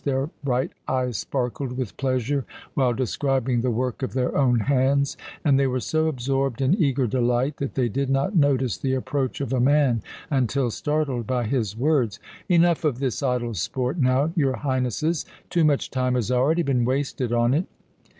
Their bright eyes sparkled with pleasure while describing the work of their own hands, and they were so absorbed in eager delight that they did not notice the approach of a man until startled by his words: "Enough of this idle sport now, your Highnesses. Too much time has already been wasted on it."